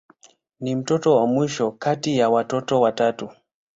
Ni mtoto wa mwisho kati ya watoto watatu.